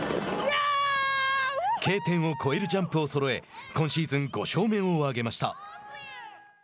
Ｋ点を超えるジャンプをそろえ今シーズン５勝目を挙げました。